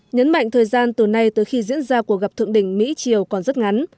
nhấn mạnh thời gian từ nay tới khi diễn ra cuộc gặp thượng đỉnh mỹ triều còn rất ngắn